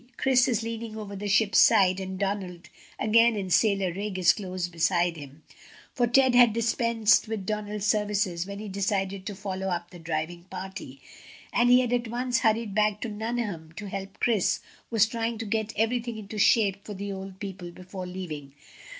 Chris is leaning over the ship's side, and Donald, again in sailor rig, is close beside him; for Ted had dispensed with Donald's services when he decided to follow up the driving party, and he had at once hurried back to Nuneham to help Chris, who was trying to get everything into shape for the old people before leaving.